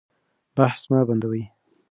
بحث مه بندوئ.